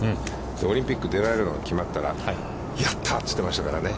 オリンピックに出られるのが決まったら、やったあ！と言ってましたからね。